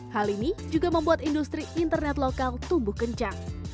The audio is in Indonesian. hal ini juga membuat industri internet lokal tumbuh kencang